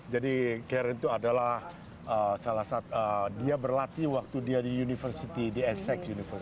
jadi karen itu adalah salah satu dia berlatih waktu dia di university di essex university